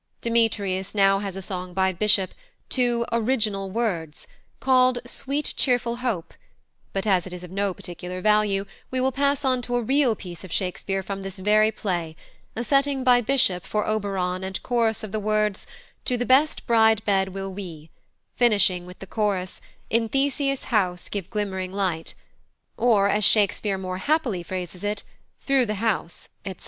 Demetrius now has a song by Bishop, to "original words," called "Sweet cheerful hope," but as it is of no particular value we will pass on to a real piece of Shakespeare from this very play, a setting by Bishop for Oberon and chorus of the words "To the best bride bed will we," finishing with the chorus "In Theseus' house give glimmering light," or, as Shakespeare more happily phrases it, "Through the house," etc.